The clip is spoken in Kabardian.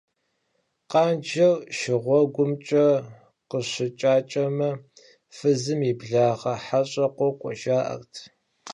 Къанжэр шыгъуэгумкӀэ къыщыкӀакӀэмэ, фызым и благъэ хьэщӀэ къокӀуэ, жаӀэрт.